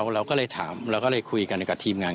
เราก็เลยถามเราก็เลยคุยกันกับทีมงาน